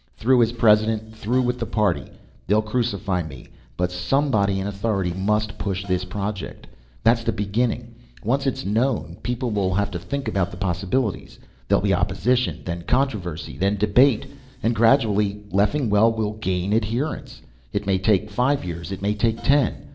Through as President, through with the Party. They'll crucify me. But somebody in authority must push this project. That's the beginning. Once it's known, people will have to think about the possibilities. There'll be opposition, then controversy, then debate. And gradually Leffingwell will gain adherents. It may take five years, it may take ten.